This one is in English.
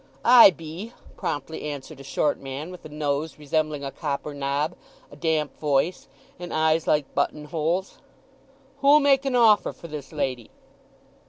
"I be," promptly answered a short man, with a nose resembling a copper knob, a damp voice, and eyes like button holes. "Who'll make an offer for this lady?"